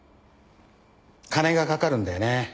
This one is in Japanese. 金がかかるんだよね。